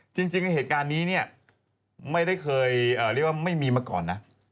จริงเหตุการณ์นี้เนี่ยไม่ได้เคยเรียกว่าไม่มีมาก่อนนะ